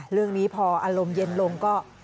เรื่องนี้พออารมณ์เย็นลงก็